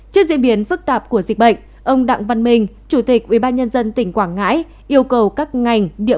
trên diễn biến phức tạp của dịch bệnh ông đặng văn minh chủ tịch ubnd tỉnh quảng ngãi